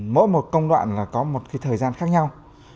mỗi một công đoạn là có một thời gian khác nhau